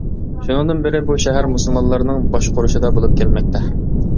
شۇنىڭدىن بىرى بۇ شەھەر مۇسۇلمانلارنىڭ باشقۇرۇشىدا بولۇپ كەلمەكتە.